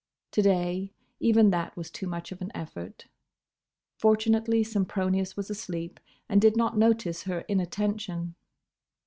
To day, even that was too much of an effort. Fortunately Sempronius was asleep and did not notice her inattention.